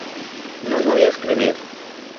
No sabía escribir.